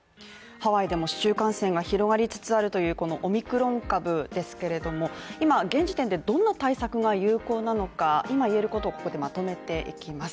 ハワイでも市中感染が広がりつつあるというこのオミクロン株ですけれども、今現時点でどんな対策が有効なのか、今言えることをここでまとめていきます。